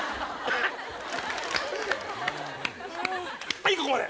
はいここまで！